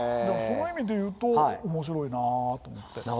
だからその意味で言うと面白いなと思って。